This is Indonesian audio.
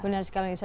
benar sekali nisa